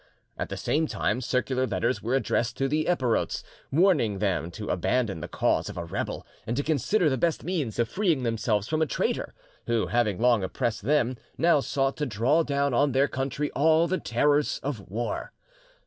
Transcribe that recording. At the same time circular letters were addressed to the Epirotes, warning them to abandon the cause of a rebel, and to consider the best means of freeing themselves from a traitor, who, having long oppressed them, now sought to draw down on their country all the terrors of war.